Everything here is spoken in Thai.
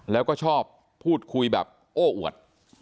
แล้วก็ชอบพูดคุยแบบโอ้อวด